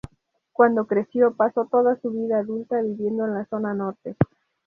Cuando creció, pasó toda su vida adulta, viviendo en la zona norte.